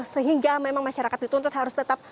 sehingga memang masyarakat dituntut harus tetap